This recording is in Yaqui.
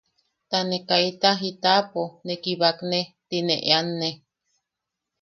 Ta ne kaita jitapo ¿ne kibakne? ti ne eeanne.